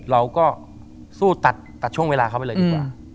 เราก็สู้ตัดช่วงเวลาเขาไปเลยดีกว่า